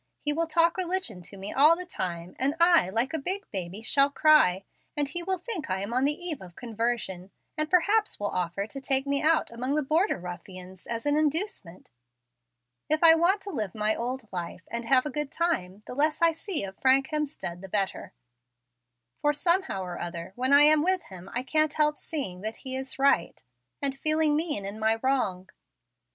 He will talk religion to me all the time, and I, like a big baby, shall cry, and he will think I am on the eve of conversion, and perhaps will offer to take me out among the border ruffians as an inducement. If I want to live my old life, and have a good time, the less I see of Frank Hemstead the better, for, somehow or other, when I am with him I can't help seeing that he is right, and feeling mean in my wrong.